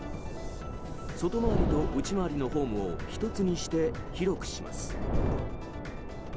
外回りと内回りのホームを１つにして広くします。